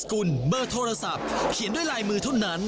โค้ยอีกโค้ยอีกค่ะ